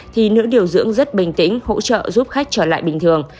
thì nữ điều dưỡng rất bình tĩnh hỗ trợ giúp khách trở lại bình thường